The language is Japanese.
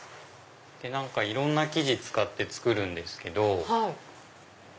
いろんな生地使って作るんですけど。